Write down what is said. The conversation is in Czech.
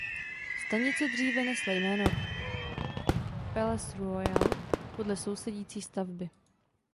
Stanice dříve nesla jméno "Palais Royal" podle sousedící stavby.